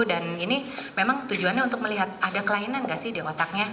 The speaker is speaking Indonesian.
dan ini memang tujuannya untuk melihat ada kelainan enggak sih di otaknya